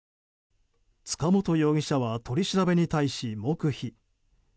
塚本容疑者は取り調べに対し黙秘。